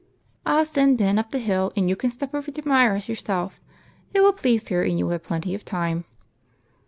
" I '11 send Ben up the hill, and you can step over to Myra's yourself ; it will please her, and you will have plenty of time."